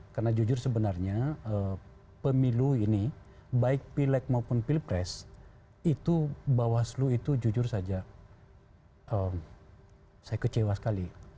karena jujur sebenarnya pemilu ini baik pileg maupun pilpres itu bawaslu itu jujur saja saya kecewa sekali